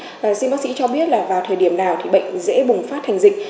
vâng xin bác sĩ cho biết là vào thời điểm nào thì bệnh dễ bùng phát thành dịch